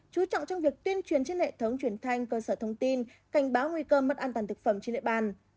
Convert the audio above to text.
chú trọng trong việc tuyên truyền trên hệ thống truyền thanh cơ sở thông tin cảnh báo nguy cơ mất an toàn thực phẩm trên địa bàn